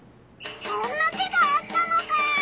そんな手があったのか。